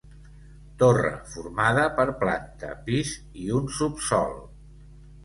Torre formada per planta, pis i un subsòl.